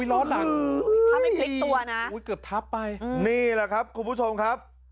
ล้อหลังถ้าไม่พลิกตัวนะเกือบทับไปนี่แหละครับคุณผู้ชมครับ